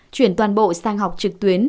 chuyển toàn bộ sang học trực tuyến